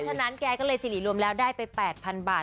ฉะนั้นแกก็เลยสิริรวมแล้วได้ไป๘๐๐๐บาท